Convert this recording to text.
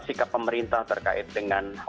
sikap pemerintah terkait dengan